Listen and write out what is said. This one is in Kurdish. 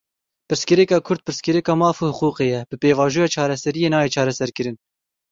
Pirsgirêka Kurd pirsgirêka maf û hiqûqê ye, bi pêvajoya çareseriyê nayê çareserkirin.